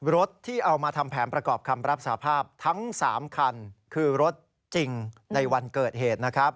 รถที่เอามาทำแผนประกอบคำรับสาภาพทั้ง๓คันคือรถจริงในวันเกิดเหตุนะครับ